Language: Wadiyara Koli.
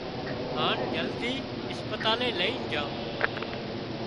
هانَ جلدي اسپتالئي لئي جھان